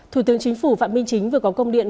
thủ tướng chính phủ phạm minh chính vừa có công điện